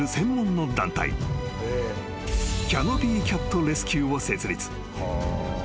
［キャノピー・キャット・レスキューを設立］